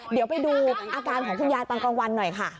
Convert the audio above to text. เดี๋ยวไปดูอาการของคุณยายตอนกลางวันหน่อยค่ะ